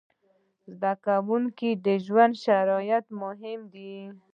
د زده کوونکو د ژوند شرایط مهم دي.